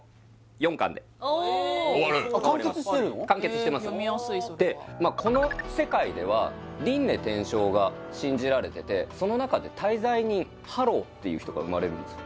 読みやすいそれはこの世界では輪廻転生が信じられててその中で大罪人・ハローっていう人が生まれるんですよ